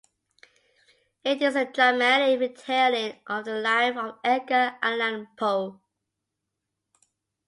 It is a dramatic retelling of the life of Edgar Allan Poe.